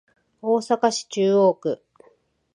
大阪市中央区